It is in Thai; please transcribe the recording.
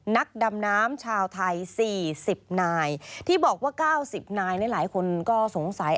นักดำน้ำชาวไทยสี่สิบนายที่บอกว่าเก้าสิบนายนี่หลายคนก็สงสัย